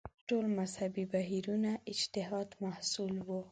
ټول مذهبي بهیرونه اجتهاد محصول وو